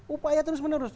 upaya terus menerus